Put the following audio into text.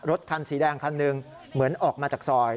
รถคันสีแดงคันหนึ่งเหมือนออกมาจากซอย